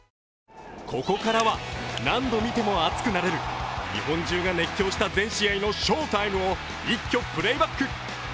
ここからは、何度見ても熱くなれる日本中が熱狂した全試合の「ＳＨＯ−ＴＩＭＥ」を一挙プレーバック。